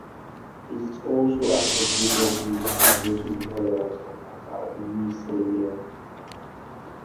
It is also associated with glucose intolerance and hyperuricemia.